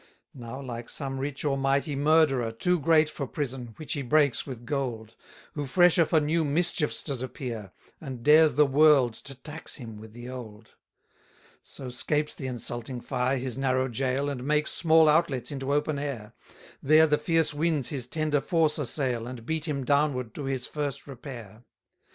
219 Now like some rich or mighty murderer, Too great for prison, which he breaks with gold; Who fresher for new mischiefs does appear, And dares the world to tax him with the old: 220 So 'scapes the insulting fire his narrow jail, And makes small outlets into open air: There the fierce winds his tender force assail, And beat him downward to his first repair.